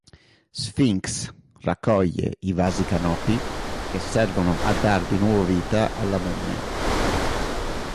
Sphinx raccoglie i Vasi Canopi che servono a dar di nuovo vita alla mummia.